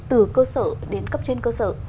từ cơ sở đến cấp trên cơ sở